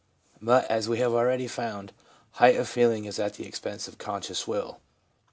But, as we have already found, height of feeling is at the expense of conscious will.